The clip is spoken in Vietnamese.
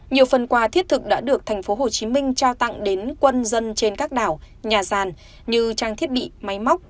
nhiều phần quà thiết thực đã được tp hcm trao tặng đến quân dân trên các đảo nhà sàn như trang thiết bị máy móc